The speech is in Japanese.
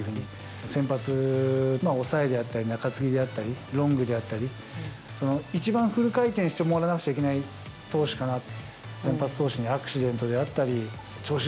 先発、抑えであったり中継ぎであったりロングであったり、一番フル回転をしてもらわなくちゃならない投手かなと。